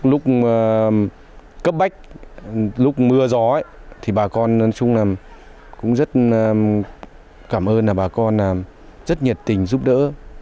lúc cấp bách lúc mưa gió thì bà con nói chung là cũng rất cảm ơn bà con rất nhiệt tình giúp đỡ